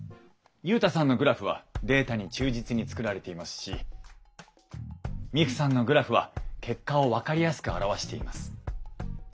ユウタさんのグラフはデータに忠実に作られていますしミクさんのグラフは結果を分かりやすく表しています。